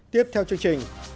tiếp theo chương trình